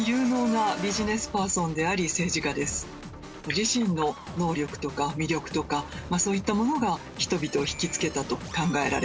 自身の能力とか魅力とかそういったものが人々を惹きつけたと考えられます。